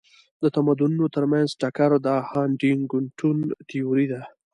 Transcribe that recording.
د تمدنونو ترمنځ ټکر د هانټینګټون تيوري ده.